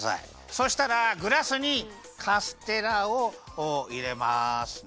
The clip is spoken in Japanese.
そしたらグラスにカステラをいれますね。